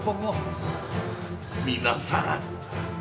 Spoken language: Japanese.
皆さん！